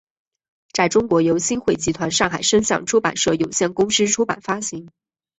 在中国由新汇集团上海声像出版社有限公司出版发行。